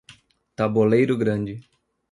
Taboleiro Grande